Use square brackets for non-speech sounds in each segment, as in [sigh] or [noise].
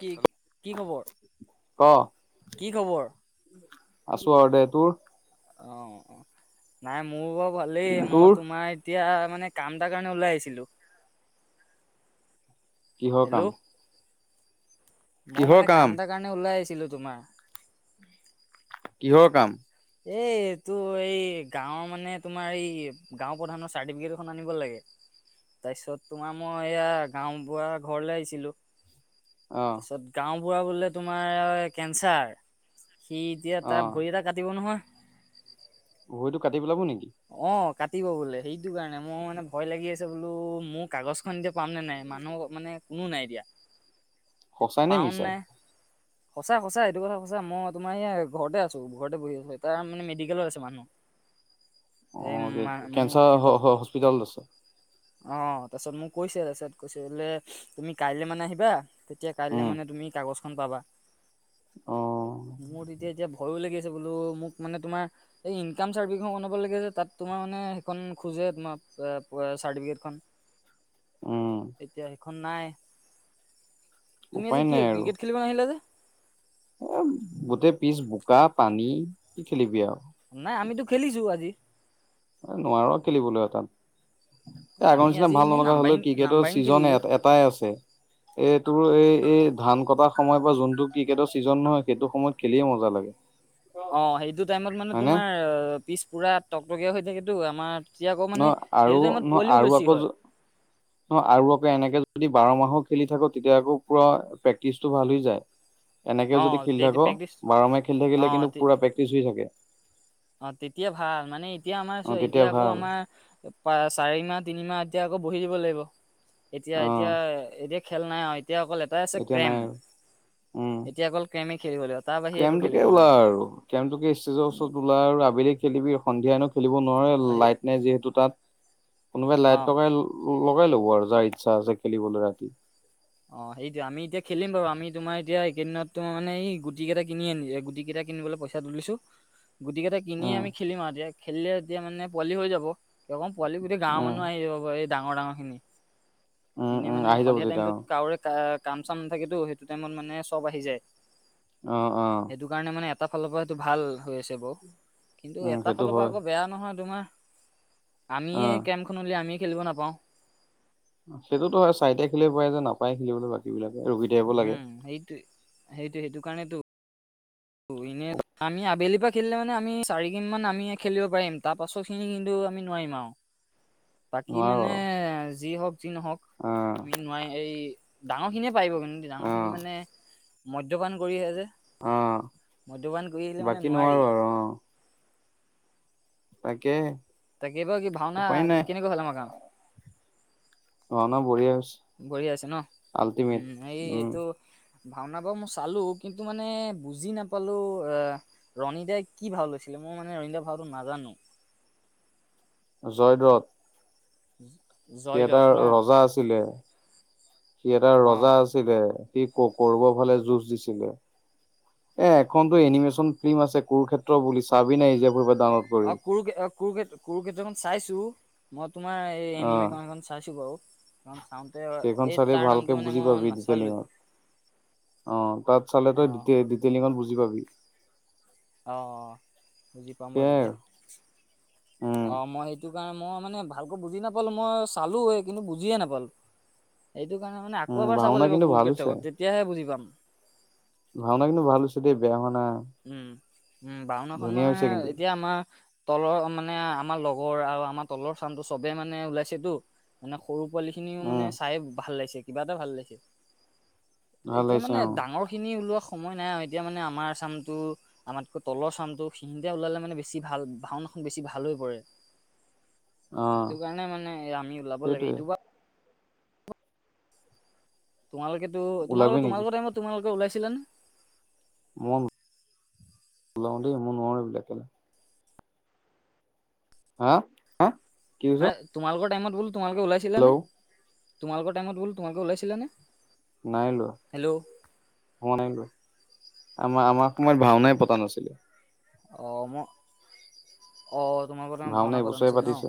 কি, কি খবৰ? ক কি খবৰ? আছোঁ আৰু দে। তোৰ? অ অ। নাই মোৰ বাৰু ভালেই, তোৰ মই তোমাৰ এতিয়া মানে কাম এটাৰ কাৰণে ওলাই আহিছিলো। কিহৰ হেল্ল' কাম? মই মানে কাম এটাৰ কাৰণে ওলাই আহিছিলো তোমাৰ। কিহৰ কাম? এই এইটো এই, গাঁওৰ মানে তোমাৰ এই গাঁও প্ৰধানৰ চাৰ্টিফিকেট এখন আনিব লাগে। তাৰপিছত তোমাৰ মই এয়া গাও বুঢাৰ ঘৰলে আহিছিলো। অ তাৰপিছত গাঁওবুঢ়াৰ বোলে তোমাৰ কেঞ্চাৰ। সি এতিয়া, অ তাৰ ভৰি এটা কাটিব নহয়। ভৰিটো কাটি পেলাব নেকি? অ কাটিব বোলে, সেইটো কাৰণে। মোৰ মানে ভয় লাগি আছে বোলো, মোৰ কাগজখন এতিয়া পামনে নাই, মানুহ মানে কোনো নাই এতিয়া। সঁচাই নে পাও মিছাই? নাই সঁচা সঁচা এইটো কথা সঁচা। মই তোমাৰ ইয়াৰ ঘৰতে আছোঁ, ঘৰতে বহি আছোঁ। তাৰ মানে মেডিকেলত আছে মানুহ। [inaudible] এই অঁ, কেঞ্চাৰৰ হ হ হস্পিটলত আছে। অঁ। তাৰপিছত মোক কৈছে, তাৰপিছত কৈছে বোলে তুমি কাইলৈ মানে আহিবা, তেতিয়া কাইলে উম মানে তুমি কাগজ খন পাবা। অ মোৰ তেতিয়া এতিয়া ভয়ো লাগি আ ছে বোলো মোক মানে তোমাৰ, এই ইনকম চাৰ্টিফিকেট খন বনাব ব লাগে যে, তাত তোমাৰ মানে সেইখন খোজে তোমাৰ এ পৰা চাৰ্টিফিকেট খন। উম এতিয়া সেইখন নাই, তুমি আজি উপায় কি নাই আৰু ক্ৰিকেট খেলিব নাহিলা যে? এ গোটেই পিচ বোকা পানী। কি খেলিবি আৰু। নাই আমিতো খেলিছো আজি। নোৱাৰো আৰু খেলিবলৈ এ তাত। এ এই আমি আগৰ নিচিনা আজি ভাল এনেই নলা হল অ। নাম্বাৰিং ক্ৰিকেটৰ নাম্বাৰিং ছিজন খেলিলো এটাই আছে। এ তোৰ এই এই ধান কটাৰ সময়ৰ পৰা যোনটো ক্ৰিকেটৰ ছিজন নহয় সেইটো সময়ত খেলিয়ে মজা লাগে। অঁ সেইটো টাইমত মানে হয়নে তোমাৰ পিছ পুৰা টকটকীয়া হৈ থাকেতো, আমাৰ তেতিয়া আকৌ মানে নহ, আৰু সেইটো টাইমত ন, পোৱালিও আৰু বেছি আকৌ হয় য, ন আৰু আকৌ এনেকে যদি বাৰ মাহো খেলি থাকোঁ, তেতিয়া আকৌ পুৰা প্ৰেক্টিচটো ভাল হৈ যায়। এনেকে অ যদি খেলি থাকো, প্ৰেক্টিচ বাৰমাহে খেলি থাকিলে কিন্তু পুৰা প্ৰেক্টিচ হৈ থাকে। অঁ তেতিয়া ভাল। মানে এতিয়া আমাৰ অ চোৱা, এতিয়া তেতিয়া আকৌ ভাল আমাৰ চাৰি মাহ তিনিমাহ এতিয়া আকৌ বহি দিব লাগিব এতিয়া অ এতিয়া এতিয়া খেল নাই অঁ এতিয়া অকল এটাই আছে এতিয়া নাই ক্ৰেম। আৰু উম এতিয়া অকল ক্ৰেমে খেলিব লাগিব তাৰ বাহিৰে একো খেলিব ক্ৰেমটোকে ওলা নোৱাৰা আৰু ক্ৰেমটোকে ষ্টেজৰ ওচৰত ওলা আৰু আবেলি খেলিবি সন্ধিয়া এনেওঁ খেলিব অ নোৱাৰই সেই লাইট নাই যিহেতু তাত কোনোবাই অ লাইট উ লগাই ল'ব আৰু যাৰ ইচ্ছা আছে খেলিবলৈ ৰাতি। অঁ সেইটো আমি এতিয়া খেলিম বাৰু আমি তোমাৰ এতিয়া এইকেদিন'তো মানে গুটিকেটা কিনিআনিযে গুটিকেইটা কিনো লে পইচা তুলিছো গুটিকেইটা কিনিয়ে উম আমি খেলিম আৰু এতিয়া খেলিলে এতিয়া মানে পোৱালি হৈ যাব। কিবা ক'ম পোৱালি গোটেই গাঁৱৰ উম মানুহ আহিজাব এই ডাঙৰ ডাঙৰখিনি উম এনেই উম মানে আহি যাব সন্ধিয়া তেতিয়া টাইমটোত কাৰোৰে কাম চাম নাথাকেতো সেইটো টাইমত মানে চব আহি যায় অ অ অ সেইটো কাৰণে মানে এটা ফালৰ পৰা সেইটো ভালহৈ আছে বাৰু কিন্তু উম এটা সেইটো ফালৰ পৰা হয় আকৌ বেয়াও নহয় তোমাৰ। আমিয়ে অ কেম্পখন উলিয়াই আমিয়ে খেলিব নাপাওঁ। সেইটোত হয় চাইটেগ খেলিব পাৰে যে নাপায় খেলিবলৈ বাকী বিলাক। উম সেইটো সেইটো সেইটো কাৰণেতো। ইনে আমি আবেলিৰ পৰা খেলিলে মানে আমি চাৰি কিন মান আমি খেলিব পাৰিম তাৰ পাছত খিনি কিন্তু আমি নোৱাৰিম আৰু। বাকী নোৱাৰো মানে আৰু। যি হওঁক যি নহওঁক অ', আমি নোৱাৰি এই ডাঙৰ খিনিয়ে পাৰিব কিন্তু ডাঙৰখিনি অ', মানে মদ্যপান কৰিহে যে। মদ্যপান কৰি আহিলে আহ মানে বাকী নোৱাৰি নোৱাৰো আৰু অঁ। তাকেহে। তাকে বাৰু কি ভাওঁনা কেনেকুৱা হ'ল আমাৰ গাওঁ? ভাওঁনা বঢ়িয়া আছ। বঢ়িয়া আছে ন উম এই উম, এইটো ভাওঁনা বাৰ মই চালো কিন্তু মানে বুজি নাপালো অঁ ৰণীদাই কি ভাওঁ লৈছিলে? এতি মই মানে ৰইন্দিয়া ভাওঁটো নাজানো। জয়দ্ৰত। সি এটা জয়দছ ন ৰজা আছিলে সি এটা অ ৰজা আছিলে। স কৰিব ফালে যুঁজ দিছিলে। এ এখনতটো এনিমেশ্যন ফিল্ম আছে কৰু ক্ষেত্ৰ বুলি চাবি নাই যে ফ অঁ কুৰুকে কুৰুকেত কুৰুক্ষেত্ৰ খন চাইছো মই তোমাৰ এই অ'। এনিমেশ্যন এখন চাইছো বাৰু কাৰন চাওতে সেইখন এই চালে তাৰ ভালকে নামটো মানে বুজি পাবি মই নাচালোৱে। ডিটেইলিঙত অ তাত চালে অ তই ডিটেইলিঙত বুজি পাবি। অ অ বুজি পাম বাৰু সেয়াই তেতিয়া আৰু উম। অ মই সেইটো কাৰণে মই মানে ভালকৈ বুজি নাপালো মই চালোএ কিন্তু বুজিয়ে নাপালো। সেইতো কাৰেনে মানে আকৌ উম এবাৰ চাব ভাওনা লাগিব কিন্তু ভাল কুৰুক্ষেত্ৰ হৈছে খন তেতিয়াহে বুজি পাম। ভাওনা কিন্তু ভাল হইচে দেই বেয়া হোৱানাই। উম উম বওনাখন মানে হৈছে কিন্তু এতিয়া আমাৰ। তলৰ মানে আমাৰ লগৰ আৰু আমাৰ তলৰ চামটো চবে মানে ওলাইছেতো মানে সৰু পোৱালিখিনিও মানে উম চাই ভাললাগিছে কিবা এটা ভাল লাগিছে। ভাল এতিয়া লাগিছে মানে অ ডাঙৰ খিনি ওলোৱা সময় নাই আৰু এতিয়া মানে আমৰ চাম আমাতকৈ তলৰ চামটো খিনিতে ওলালে মানে বেছি ভাল ভাওনাখন বেছি ভাল হৈ পৰে। অ সেইটো কাৰণে মানে আমি ওলাব লাগে সেইটোৱে এইটো বাৰ তোমালোকেতো ওলাবি তোমালোকৰ নেকি তোমালোকৰ টাইমত তোমালোকে ওলাইছিলা নে? মই লও দেই মই নোৱাৰো এবিলাক কেলে হা হা কি কৈছ মান তোমালোকৰ টাইমত বোলো তোমালোকে ওলাইছিলা নে? হেল্ল' তোমালোকৰ টাইমত বোলো তোমালোকে ওলাইছিলা নে? নাই হেল্ল' লোৱা হোৱা নাই লোৱা আমাৰ আমাৰ তোমাৰ ভাওনাই পতা নাছিলে। অ মই অ তোমালোকৰ তাইমত ভাওনা পতা এইবছৰে নাছিল ন। পাতিছে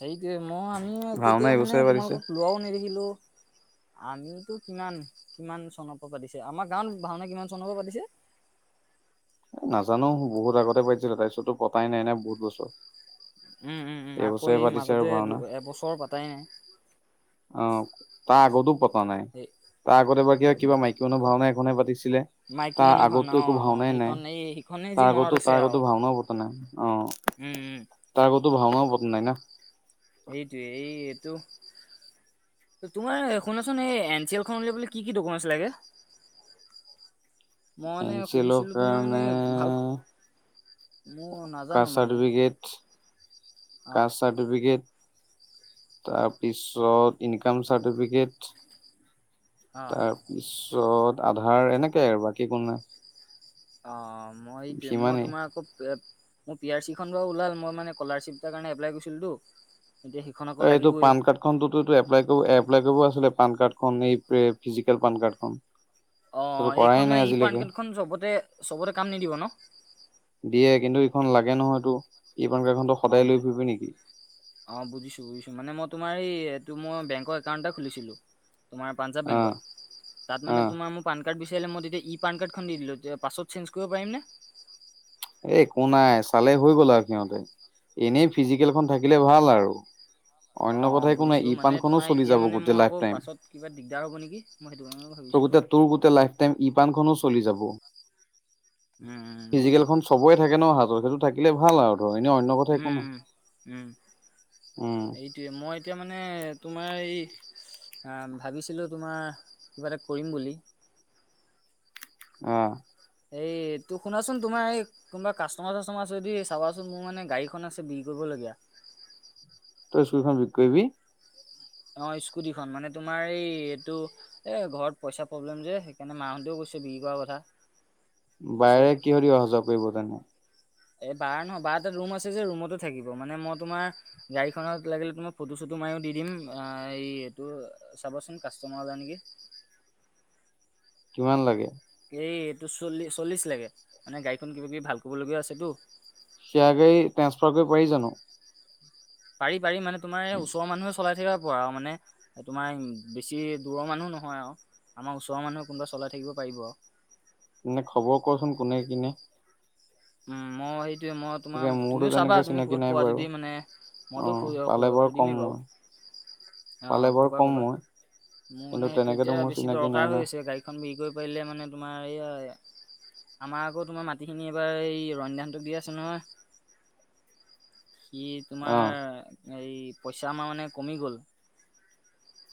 সেইটোয়ে মই আমি ভাওনা তেতিয়া মানে এইবছৰে পাতিছে তোমালোকক লোৱাও নেদেখিলো আমিতো কিমান কিমান চনপা পাতিছে আমাৰ গাঁৱত ভাওনা কিমান চনপা পাতিছে। [unintelligible] নাজানো বহুত আগতে পাটিছিলে তাৰপিছততো পতাই নাই না বহুত বছৰ। উম উম উম আকৌ এইবছৰে এই পাতিছে আৰু মাজতে দু ভাওনা এবছৰ পাতাই নাই। অ তাৰ আগতো পতা নাই, সেই তাৰ আগতে এবাৰ কিব কিবা মাইকী মানুহ ভাওনা এখনে পাতিছিল। মাইকী তাৰ মানুহ ভাওনা আগতো অ' একো অ' ভাওনাই নাই, সেইখন এই সেইখনেই যি তাৰ মনত আগতো আছে তাৰ আৰু আগতো ভাওনাও পতা নাই অ। উম উম। তাৰ আগতো ভাওনাও পতা নাই না। এইটোৱে এই এইটো। তোমাৰ শুনাচোন এই এন চি এল খন উলিয়াবলে কি কি ডকুমেন্ট লাগে। মই এন মানে চি এল সুধিছিলো তোমাৰ কাৰণে। মানে ভাল মোৰ নাজানো কাষ্ট মানে চাৰ্টিফিকেট অ কাষ্ট চাৰ্টিফিকেট তাৰপিছত ইনকাম চাৰ্টিফিকেট। অ তাৰপিছত আধাৰ এনেকে আৰু বাকী একো নাই। অ মই সেইটোয়ে মই সিমানেই তোমাৰ আকৌ এ মোৰ পি আৰ চি খন বাও ওলাল মই মানে স্কলাৰশ্বিপ এটাৰ কাৰণে এপ্লাই কৰিছিলোটো অ এইটো পান কাৰ্ড খন এইটো টো এপ্লাই কৰো এপ এপ্লাই কৰিব আছিলে পান কাৰ্ড খন এই পে ফিজিকেল পান কাৰ্ড খন। অ এইখন মানে ই পান কাৰ্ড খন চবতে চবতে কাম নিদিব ন। দিয়ে কিন্তু ইখন লাগে নহয়টো। অ বু অ বুজিছো বুজিছো মানে মই তোমাৰ এই মই বেংকৰ একাউণ্ট এটা খুলিছিলো তোমাৰ পাঞ্জাব অ বেংকত তাত অ মানে তোমাৰ মোৰ পান - কাৰ্ড বিচাৰিলে মই তেতিয়া ই পান কাৰ্ডখন দি দিলো যে পাছত চেঞ্জ কৰিব পাৰিম নে এ একো নাই চালে হৈ গ'ল আৰু সিহঁতে, এনেই ফিজিকেলখন থাকিলে ভাল আৰু। অ অন্য কথা অ একো নাই বুজিছো ই মানে পানখনো তোমাৰ চলি এতিয়া যাব মানে গোটেই মই লাইফ আকৌ টাইম পাছত কিবা দিগ দাৰ হব নেকি মই সেইটো কাৰণে তোৰ ভাবিছো। গোটেই তোৰ গোটেই লাইফ টাইম ই পানখনো চলি যাব। উম উম ফিজিকেল বুজিছো খন চবৰে থাকে ন হাতৰ সেইটো থাকিলে ভাল আৰু। ধৰ এনেই অন্য কথা উম একো নাই উম উম। উম এইটোৱে মই এতিয়া মানে তোমাৰ এই। ভাবিছিলো তোমাৰ, কিবা এটা কৰিম বুলি। অঁ। এইটো শুনাচোন তোমাৰ, এই কোনোবা কাষ্টমাৰ চাষ্টমাৰ আদি চাবাচোন। মোৰ মানে গাড়ীখন আছে বিক্ৰী কৰিব কৰিবলগীয়া। তই স্কুলখন বিকৰি কৰিবি? অ স্কুটি খন মানে। তোমাৰ এই এইটো এ ঘৰত পইচা প্ৰব্লেম যে সেইকাৰণে মাহঁতেও কৈছে কৈছে বিক্ৰী কৰা কথা। তাৰপিছত বাইৰে কিহদি অহা যোৱা কৰিব তেনে এই বাৰ নহয়। বাৰ এটা ৰুম আছে যে ৰুমতো থাকিব। মানে মই তোমাৰ গাড়ীখনত লাগিলে তোমাৰ ফটো ছটো ফটো মাৰিও দিম এইটো। চাবচোন কাষ্টমাৰ যায় নেকি? কিমান লাগে? এই এইটো চল্লি চল্লিছ লাগে। মানে গাড়ীখন কিবা কিবি ভাল কৰিবলগীয়াও আছেতো। সে আগেই ট্ৰেঞ্চফাৰ কৰিব পাৰি জানো? পাৰি, পাৰি। মানে তোমাৰ এই ওচৰৰ মানুহে চলাই থাকিব পৰা আৰু মানে তোমাৰ বেছি দূৰৰ মানুহ নহয় আৰু। আমাৰ ওচৰৰ মানুহে কোনোবা চলাই থাকিব পাৰিব। এনে খবৰ কচোন কোনে কিনে। উম, মই মই তাকে তোমাৰ মোৰতো তুমিও চাবা তেনেকে তুমি চিনাকি ক'ত নাই পোৱা বাৰু যদি মানে অ মইতো সু পালে কম সুধিমেই বাৰু। মই পালে অঁ বাৰু ক'বা কম ক'বা মই। মোৰ কিন্তু মানে সেইটো তেনেকেতো এতিয়া মোৰ বেছি চিনাকি দৰকাৰ নাই না হৈ আছে। গাড়ীখন বিকৰি কৰি পাৰিলে মানে তোমাৰ এইয়া আমাৰ আকৌ তোমাৰ মাটিখিনি এইবাৰ এই ৰন্যাহতক দিয়া আছে নহয়। কি অ তোমাৰ হেৰি পইচামাৰনে মানে কমি গ'ল।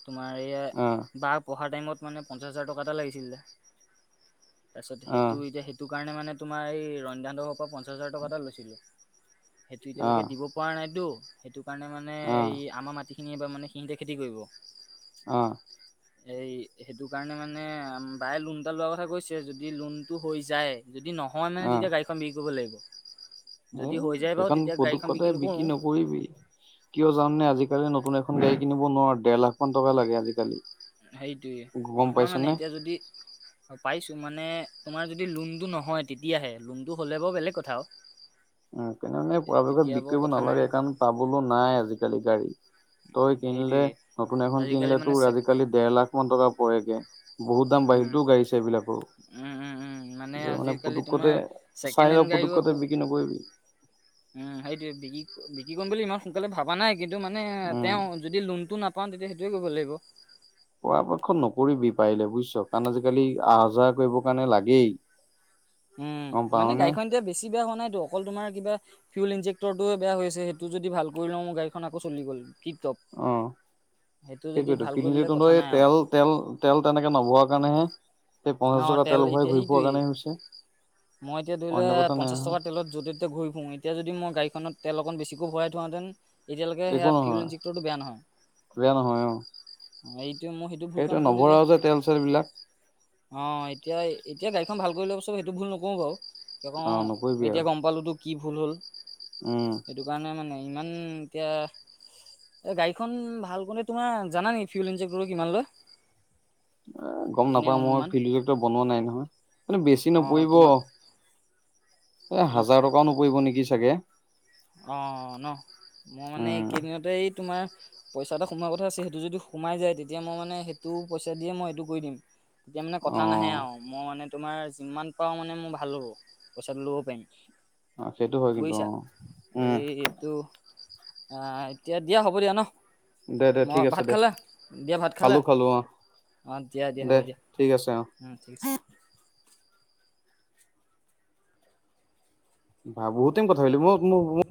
তোমাৰ এইয়া অ বা পঢ়া টাইমত মানে পঞ্চাছ হাজাৰ টকা এটা লাগিছিলে। তাৰপিছত অ সেইটো এতিয়া সেইটো কাৰণে মানে তোমাৰ এই ৰন্ধা দৰ পৰা পঞ্চাছ হাজাৰ টকা এটা লৈছিলো। সেটো অ এতিয়ালৈকে দিব পৰা নাইতো। সেইটো কাৰণে মানে অ এই আমাৰ মাটি সিনি এইবাৰ মানে সিহঁতে খেতি কৰিব অ। এই সেইটো কাৰণে মানে বাই লোন এটা লোৱাৰ কথা কৈছে। যদি লোনটো হৈ যায় যদি নহয় মানে তেতিয়া গাড়ীখন বিক্ৰী কৰিব লাগিব। এ যদি হৈ যায় বাৰু এইখন তেতিয়া গাড়ীখন পুতোককতে নকৰো বিক্ৰী নকৰিবি। কিয় জাননে? আজিকালি নতুন এখন গাড়ী কিনিব নোৱাৰ। দেৰ লাখ মান টকা লাগে আজিকালি। হেইটোৱে। গম নহয় পাইছ মানে নে এতিয়া যদি পাইছোঁ মানে তোমাৰ যদি লোনটো নহয় তেতিয়াহে। লোনটো হ'লে বাৰু বেলেগ কথা আৰু। উ তেনে মানে পৰাপক্ষত তেতিয়া বাৰু বিক্ৰী কৰিব কথা নাই নালাগে স কাৰণ পাবলৈ নাই আজিকালি গাড়ী। তই কিনিলে সেইটোৱে নতুন এখন আজিকালি কিনিলে মানে তোৰ চেক আজিকালি দেৰ লাখ মান টকা পৰেগে। বহুত দাম উম বাঢ়িলটো গাড়ী চাৰি বিলাকো। উম উম উম এতিয়া মানে মানে আজিকালি পুতুককতে তোমাৰ চাই ছেকেণ্ড ল হেণ্ড গাড়ীও তে আকৌ বিক্ৰী নকৰিবি। উম সেইটোৱে। বিক্ৰী বিক্ৰী কৰিম বুলি ইমান সোনকালে ভাবা নাই। কিন্তু মানে উম তেওঁ যদি লোনটো নাপাওঁ তেতিয়া সেইটোৱে কৰিব লাগিব। পৰাপক্ষ নকৰিবি পাৰিলে বুজিছ। কাৰণ আজিকালি আহ যাহ কৰিবৰ কাৰণে লাগেই। উম গম মানে পাওনে গাড়ীখন এতিয়া বেছি বেয়া হোৱা নাই। অকল তোমাৰ কিবা ফিউল ইনজেক্টৰটোে বেয়া হৈছে। সেইটো যদি ভাল কৰি লওঁ মোৰ গাড়ীখন আকৌ চলি গ'ল। [unintelligible] যদি সেইটোৱেটো। ভাল কৰি ললে কিনিলেটো কথা নহয়। এই নাই আৰু তেল-তেল -তেল তেনেকে নভৰা কাৰণেহে। এই পঞ্চাছ অ টকা তেল ভৰাই এতিয়া ঘূৰি ফুৰা সেইটোৱেই কাৰণেহে হৈছে। মই এতিয়া ধৰি অন্য লোৱা কথা নাই পঞ্চাছ নহয় টকা তেলত য'তে ততে ঘূৰি ফুৰোঁ। এতিয়া যদি মই গাড়ীখনত তে অকণ বেছিকৈ ভৰাই থোৱাহেতেন এতিয়ালৈকে সেয়া একো ফিউল নহয় ইনজেক্টৰটো বেয়া নহয়। বেয়া নহয় অ অ এইটো মই সেইটো ভুল কাম কৰিলো যে। নভৰাও তেল চেল বিলাক অ এতিয়া এতিয়া গাড়ীখন ভাল কৰি লৈ চব সেইটো ভুল নকৰোঁ বাৰু। অ ক নকৰিবি এতিয়া আৰু গম পালোতো কি ভুল হ'ল উম সেইটো কাৰণে মানে ইমান এতিয়া এ গাড়ীখন ভাল কৰিলে তোমাৰ জানা নে ফিউল ইনজেক্টৰটো কিমান লয় এ গম এনেই নাপাওঁ মই অনুমান ফিওলজেক্টৰ বনোৱা নাই নহয় কি বেছি অঁ নপৰিব তোমাৰ এ হাজাৰ টকাও নপৰিব নেকি চাগে অ ন মই মানে এই উম কেইদিনতে এই তোমাৰ পইচা এটা সোমোৱাৰ কথা আছে সেইটো যদি সোমাই যায় তেতিয়া মই মানে সেইটো পইচা দিয়ে মই এইটো কৰি দিম তেতিয়া মানে কথা নাহে অ আৰু মই মানে তোমাৰ যিমান পাও মানে মোৰ ভাল হ'ব পইচাটো ল'ব পাৰিম অ সেইটো হয় কিন্তু বুজিছা অ উম এই এইটো আহ এতিয়া দিয়া হ'ব দিয়া ন দে দে মই ঠিক আছে ভাত দে খালে দিয়া ভাত খালো খালে খালো অ অঁ দিয়া দিয়া দে হ'ব দিয়া ঠিক আছে অ ঠিক আছে ভ বহুত দিন কথা কিলি মই